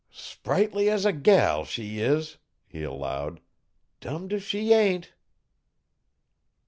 "Sprightly as a gal, she is," he allowed. "Dummed if she ain't!"